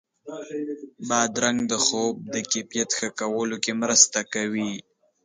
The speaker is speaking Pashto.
بادرنګ د خوب د کیفیت ښه کولو کې مرسته کوي.